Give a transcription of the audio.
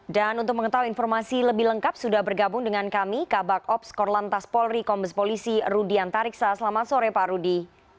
dan untuk mengetahui informasi lebih lengkap sudah bergabung dengan kami kabak ops korlantas polri kompes polisi rudi antariksa selamat sore pak rudi